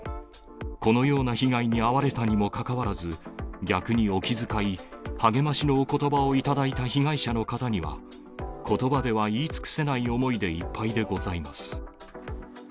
このような被害に遭われたにもかかわらず、逆にお気遣い、励ましのおことばを頂いた被害者の方には、ことばで言い尽くせない思いでいっぱいでございます。